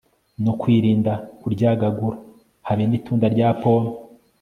no kwirinda kuryagagura habe nitunda rya pome